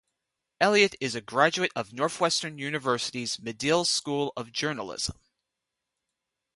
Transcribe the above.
Elliot is a graduate of Northwestern University's Medill School of Journalism.